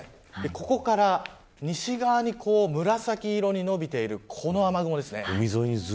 ここから西側に紫色に伸びているこの雨雲です。